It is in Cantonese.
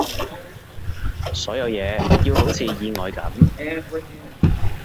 所有嘢要好似意外噉